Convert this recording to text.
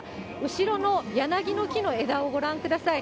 後ろの柳の木の枝をご覧ください。